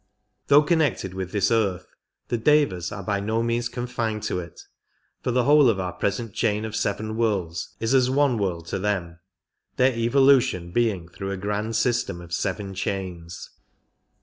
Though connected with this earth, the Devas are by no means confined to it, for the whole of our present chain of seven worlds is as one world to them, their evolution being through a grand system of seven chains.